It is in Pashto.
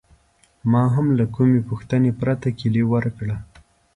ما هم له کومې پوښتنې پرته کیلي ورکړه.